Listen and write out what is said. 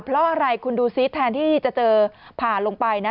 เพราะอะไรคุณดูซิแทนที่จะเจอผ่าลงไปนะ